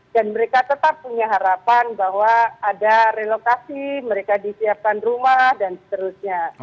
dan mereka tetap punya harapan bahwa ada relokasi mereka disiapkan rumah dan seterusnya